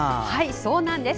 そうなんです。